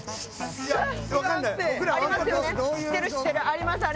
ありますよね